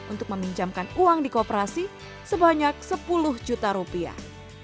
untuk meminjamkan uang di kooperasi sebanyak sepuluh juta rupiah